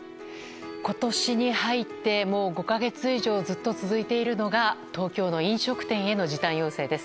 今年に入って、もう５か月以上ずっと続いているのが東京の飲食店への時短要請です。